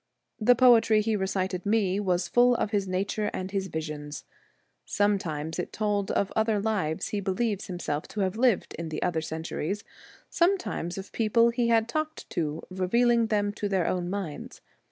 The poetry he recited me was full of his nature and his visions. Sometimes it told of other lives he believes himself to have lived in other centuries, sometimes of people he had talked to, revealing them to their own minds.